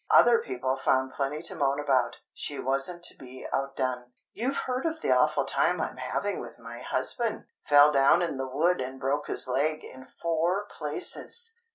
Other people found plenty to moan about; she wasn't to be outdone. "You've heard of the awful time I'm having with my husband? Fell down in the wood and broke his leg in four places!